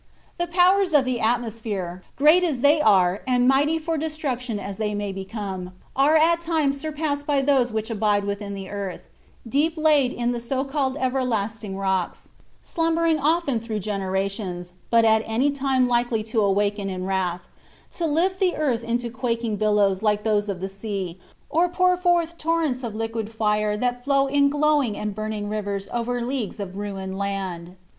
The powers of the atmosphere, great as they are and mighty for destruction as they may become, are at times surpassed by those which abide within the earth, deep laid in the so called everlasting rocks, slumbering often through generations, but at any time likely to awaken in wrath, to lift the earth into quaking billows like those of the sea, or pour forth torrents of liquid fire that flow in glowing and burning rivers over leagues of ruined land.